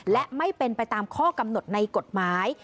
และไม่เป็นไปตามข้อกำหนดในกฎหมาย